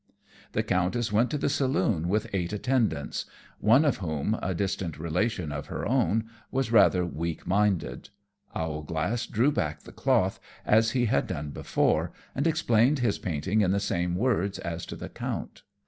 The Countess went to the saloon with eight attendants, one of whom, a distant relation of her own, was rather weak minded. Owlglass drew back the cloth, as he had done before, and explained his painting in the same words as to the Count.